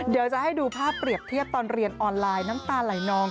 เดี๋ยวจะให้ดูภาพเปรียบเทียบตอนเรียนออนไลน์น้ำตาไหลนอง